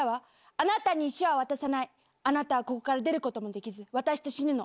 あなたに石は渡さない、あなたはここから出ることもできず私と死ぬの。